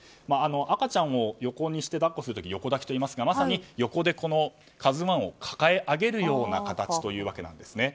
赤ちゃんを横にして抱っこする時に横抱きといいますがまさに横で「ＫＡＺＵ１」を抱え上げるような形です。